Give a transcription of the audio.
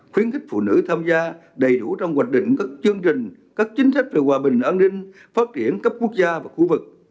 khuyến khích phụ nữ tham gia đầy đủ trong hoạt định các chương trình các chính sách về hòa bình an ninh phát triển cấp quốc gia và khu vực